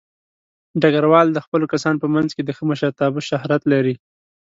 ډګروال د خپلو کسانو په منځ کې د ښه مشرتابه شهرت لري.